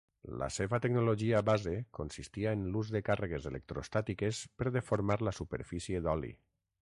La seva tecnologia base consistia en l'ús de càrregues electrostàtiques per deformar la superfície d'oli.